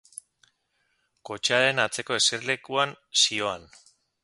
Kotxearen atzeko eserlekuan zihoan.